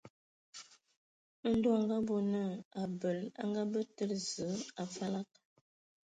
Ndɔ a ngabɔ naa, abəl a ngabə tǝ̀lə Zəə a falag.